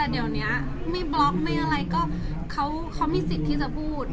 เดี๋ยวนี้ไม่บล็อกไม่อะไรก็เขามีสิทธิ์ที่จะพูด